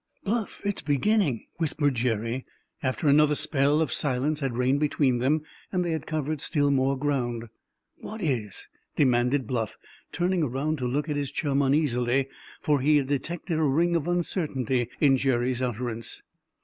"Bluff, it's beginning!" whispered Jerry, after another spell of silence had reigned between them and they had covered still more ground. "What is?" demanded Bluff, turning around to look at his chum uneasily, for he had detected a ring of uncertainty in Jerry's utterance.